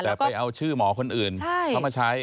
แต่ไปเอาชื่อหมอคนอื่นเขามาใช้